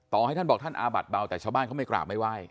ให้ท่านบอกท่านอาบัดเบาแต่ชาวบ้านเขาไม่กราบไม่ไหว้